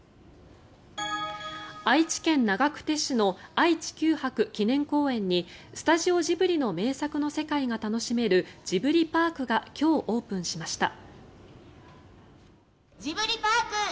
愛知県長久手市の愛・地球博記念公園にスタジオジブリの名作の世界が楽しめるジブリパークが今日、オープンしました。